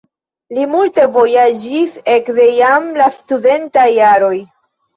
Li multe vojaĝis ekde jam la studentaj jaroj.